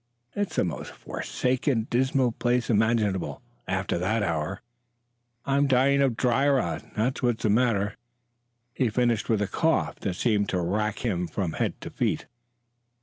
It's the most forsaken, dismal place imaginable after that hour. I'm dying of dry rot, that's what's the matter." He finished with a cough that seemed to wrack him from head to feet.